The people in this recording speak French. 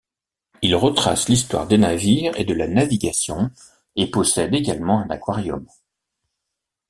Il retrace l'histoire des navires et de la navigation et possède également un aquarium.